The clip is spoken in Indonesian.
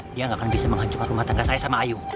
dia nggak akan bisa menghancurkan rumah tangga saya sama ayu